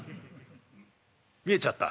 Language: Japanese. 「見えちゃった」。